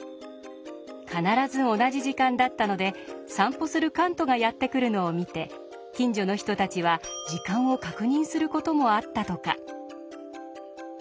必ず同じ時間だったので散歩するカントがやって来るのを見て近所の人たちは時間を確認する事もあったとか。